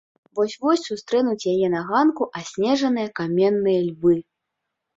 Вось-вось сустрэнуць яе на ганку аснежаныя каменныя львы.